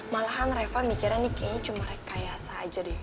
malahan reva mikirnya nih kayaknya cuma rekayasa aja deh